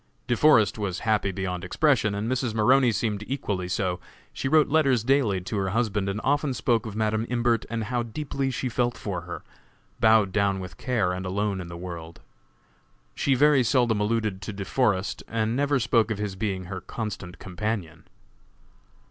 De Forest was happy beyond expression, and Mrs. Maroney seemed equally so. She wrote letters daily to her husband and often spoke of Madam Imbert and how deeply she felt for her, bowed down with care and alone in the world. She very seldom alluded to De Forest and never spoke of his being her constant companion.